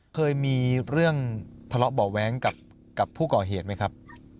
เคยมีเรื่องทะเลาะเบาะแว้งกับผู้ก่อเหตุไหมครับ